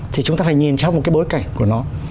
thì chúng ta phải nhìn trong một cái bối cảnh của nó